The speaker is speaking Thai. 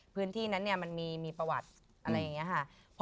พื้นที่นั้นเนี่ยมันมีประวัติอะไรอย่างนี้ค่ะ